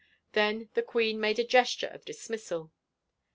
Then the queen made a gesture of dis missal.